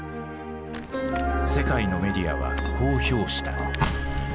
世界のメディアはこう評した。